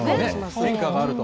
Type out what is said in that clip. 変化があると。